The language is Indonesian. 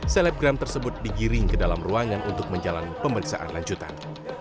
selebgram tersebut digiring ke dalam ruangan untuk menjalani pemeriksaan lanjutan